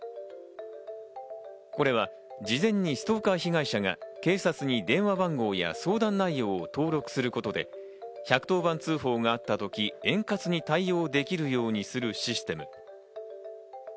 これは事前にストーカー被害者が警察に電話番号や相談内容を登録することで、１１０番通報があった時、円滑に対応できるようにするシステム。